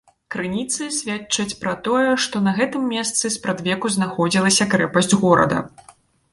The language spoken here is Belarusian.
Крыніцы сведчаць пра тое, што на гэтым месцы спрадвеку знаходзілася крэпасць горада.